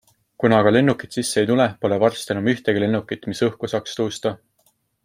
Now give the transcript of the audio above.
Kuna aga lennukid sisse ei tule, pole varsti enam ühtegi lennukit, mis õhku saaks tõusta.